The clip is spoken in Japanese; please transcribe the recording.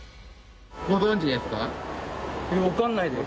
ご存じですか？